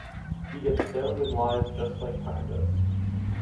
He gets stoned and lies just like time does.